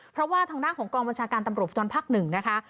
เพราะว่าทางด้านของกองบัญชาการตำรวจจรภักดิ์๑นะคะ